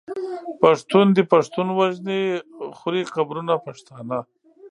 پښتون دی پښتون وژني خوري قبرونه پښتانه